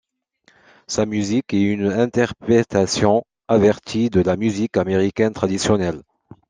Sa musique est une interprétation avertie de la musique américaine traditionnelle.